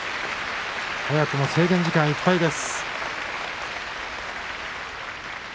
早くも制限時間がいっぱいです。